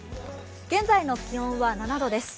現在の気温は７度です。